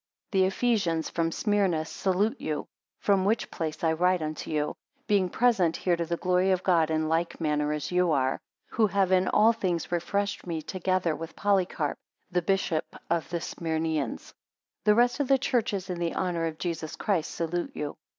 10 The Ephesians from Smyrna salute you, from which place I write unto you; (being present here to the glory of God, in like manner as you are,) who have in all things refreshed me, together with Polycarp, the bishop of the Smyrneans. 11 The rest of the churches in the honour of Jesus Christ salute you.